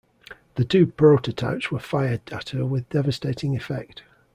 The two prototypes were fired at her with devastating effect.